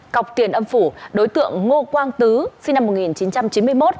cọc tiền âm phủ đối tượng ngô quang tứ sinh năm một nghìn chín trăm chín mươi một